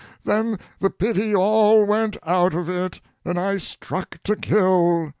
—then the pity all went out of it, and I struck to kill!